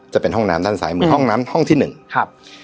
จะเป็นห้องน้ำด้านซ้ายมือห้องน้ำห้องที่หนึ่งครับ